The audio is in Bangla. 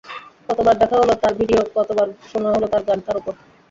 কতবার দেখা হলো তাঁর ভিডিও, কতবার শোনা হলো তাঁর গান—তার ওপর।